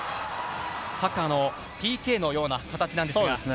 サッカーのＰＫのような形なんですが。